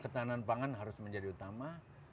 ketahanan pangan harus menjadi utama